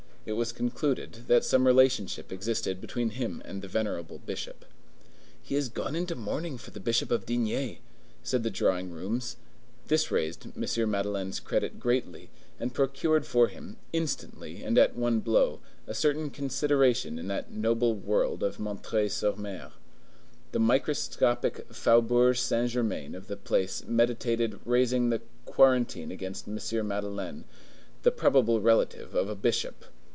It was concluded that some relationship existed between him and the venerable Bishop. "He has gone into mourning for the Bishop of D——" said the drawing rooms; this raised M. Madeleine's credit greatly, and procured for him, instantly and at one blow, a certain consideration in the noble world of M. sur M. The microscopic Faubourg Saint Germain of the place meditated raising the quarantine against M. Madeleine, the probable relative of a bishop.